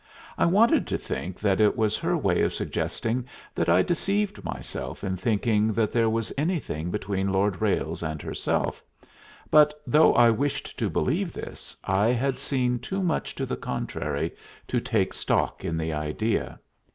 I wanted to think that it was her way of suggesting that I deceived myself in thinking that there was anything between Lord Ralles and herself; but, though I wished to believe this, I had seen too much to the contrary to take stock in the idea.